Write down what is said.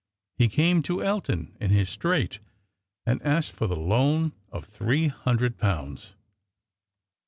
He came to Elton in his strait, and asked for the loan of three hundred pounds.